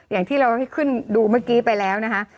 อย่างที่เราให้ขึ้นดูเมื่อกี้ไปแล้วนะคะ